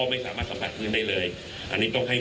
คุณผู้ชมไปฟังผู้ว่ารัฐกาลจังหวัดเชียงรายแถลงตอนนี้ค่ะ